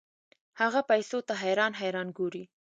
هغه پیسو ته حیران حیران ګوري.